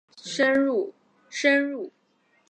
但所有这些相似性不能推得太深入。